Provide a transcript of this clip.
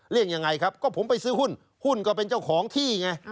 ยังไงครับก็ผมไปซื้อหุ้นหุ้นก็เป็นเจ้าของที่ไง